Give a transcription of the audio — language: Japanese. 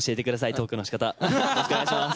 よろしくお願いします。